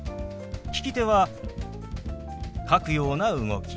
利き手は書くような動き。